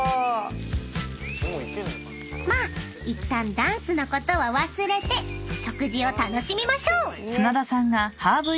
［まあいったんダンスのことは忘れて食事を楽しみましょう］